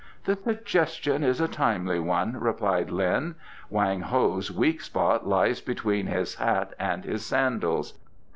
"The suggestion is a timely one," replied Lin. "Wang Ho's weak spot lies between his hat and his sandals.